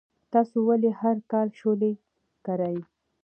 تاسو ولې هر کال شولې کرئ؟